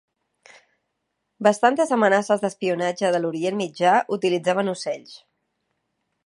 Bastantes amenaces d'espionatge de l'Orient Mitjà utilitzaven ocells.